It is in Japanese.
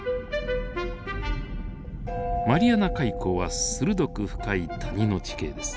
マリアナ海溝は鋭く深い谷の地形です。